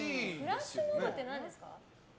フラッシュモブって何ですか？